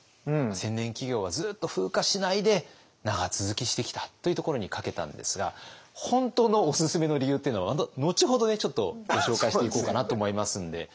千年企業はずっと風化しないで長続きしてきたというところにかけたんですが本当のオススメの理由っていうのは後ほどちょっとご紹介していこうかなと思いますんで。